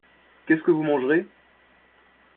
Qu'est-ce que vous mangerez ?